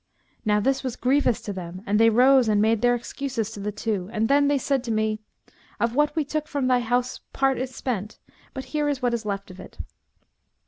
Now this was grievous to them and they rose and made their excuses to the two and then they said to me, 'Of what we took from thy house part is spent, but here is what is left of it.'